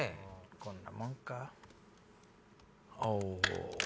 こんなもんか。